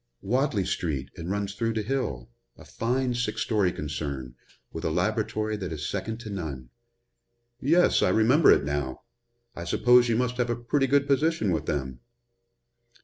"Wadley street and runs through to Hill a fine six story concern, with a laboratory that is second to none." "Yes, I remember it now. I suppose you must have a pretty good position with them."